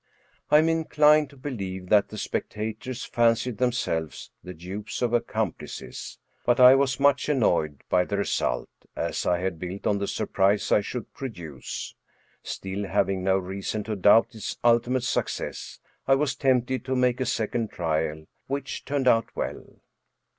I am inclined to believe that the spectators fancied them selves the dupes of accomplices, but I was much annoyed by the result, as I had built on the surprise I should pro duce ; still, having no reason to doubt its ultimate success, I was tempted to make a second trial, which turned out well.